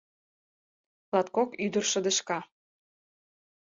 Латкок ӱдыр шыдешка.